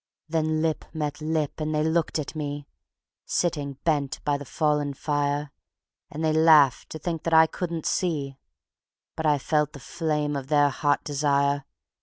Then lip met lip and they looked at me, Sitting bent by the fallen fire, And they laughed to think that I couldn't see; But I felt the flame of their hot desire.